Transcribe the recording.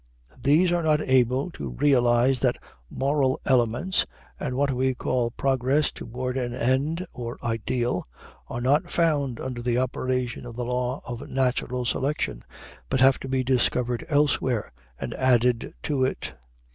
These are not able to realize that moral elements, and what we call progress toward an end or ideal, are not found under the operation of the law of natural selection, but have to be discovered elsewhere and added to it.